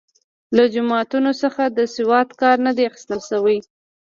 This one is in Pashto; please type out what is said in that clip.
له جوماتونو څخه د سواد کار نه دی اخیستل شوی.